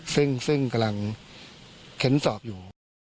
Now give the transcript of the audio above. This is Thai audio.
ซึ่งใกล้สอบกันอยู่